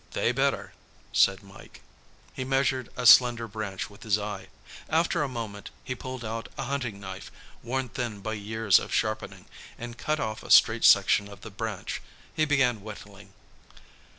"They better," said Mike. He measured a slender branch with his eye. After a moment, he pulled out a hunting knife, worn thin by years of sharpening, and cut off a straight section of the branch. He began whittling.